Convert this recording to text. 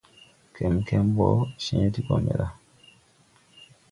Kɛmkɛm ɓɔ cẽẽ ti gɔ me ɗa.